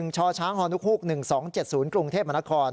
๑ชช้างฮฮ๑๒๗๐กรุงเทพฯมค